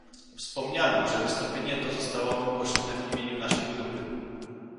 Wspomniano, że wystąpienie to zostało wygłoszone w imieniu naszej grupy